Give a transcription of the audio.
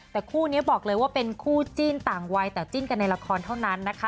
แต่คู่นี้บอกเลยว่าเป็นคู่จิ้นต่างวัยแต่จิ้นกันในละครเท่านั้นนะคะ